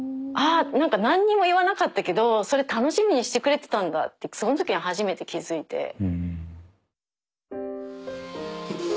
ああなんかなんにも言わなかったけどそれ楽しみにしてくれてたんだってそのときに初めて気づいて。